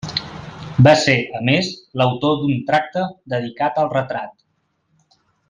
Va ser, a més, l'autor d'un tracta dedicat al retrat.